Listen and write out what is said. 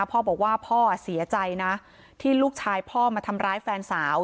พ่อบอกว่าพ่อเสียใจนะที่ลูกชายพ่อมาทำร้ายแฟนสาว